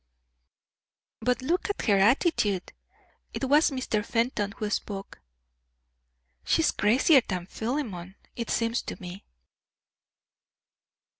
"But look at her attitude!" It was Mr. Fenton who spoke. "She's crazier than Philemon, it seems to me."